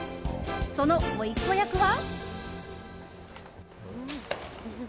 その、おいっ子役は。